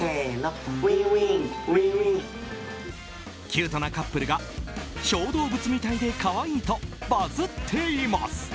キュートなカップルが小動物みたいで可愛いとバズっています。